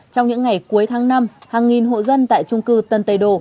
trong những ngày cuối tháng năm hàng nghìn hộ dân tại trung cư tân tây đồ